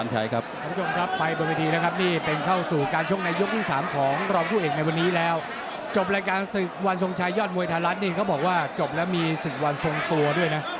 จบแล้วมีศึกวันทรงตัวก็ด้วยนะ